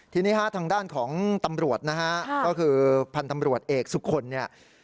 ทีนี้ฮะทางด้านของตำรวจนะฮะก็คือพันธ์ตำรวจเอกสุคลเนี่ย